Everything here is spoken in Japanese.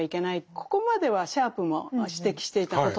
ここまではシャープも指摘していたことなんですね。